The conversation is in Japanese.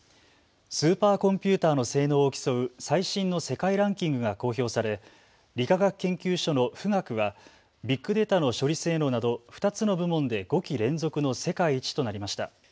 スーパーコンピューターの性能を競う最新の世界ランキングが公表され、理化学研究所の富岳はビッグデータの処理性能など２つの部門で５期連続の世界一となりました。